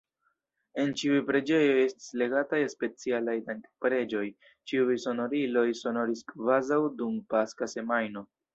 En ĉiuj preĝejoj estis legataj specialaj dankpreĝoj, ĉiuj sonoriloj sonoris kvazaŭ dum Paska semajno.